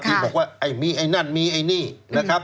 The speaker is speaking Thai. เตรียมบอกว่ามีไอ้นั่นมีไอ้นี่นะครับ